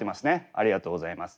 ありがとうございます。